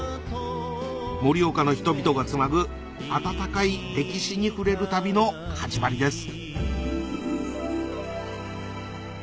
盛岡の人々がつなぐ温かい歴史に触れる旅の始まりです